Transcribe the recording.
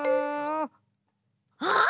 あっ！